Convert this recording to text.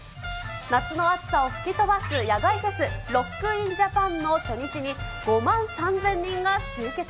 夏の暑さを吹き飛ばす野外フェス、ロック・イン・ジャパンの初日に、５万３０００人が集結。